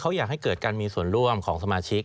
เขาอยากให้เกิดการมีส่วนร่วมของสมาชิก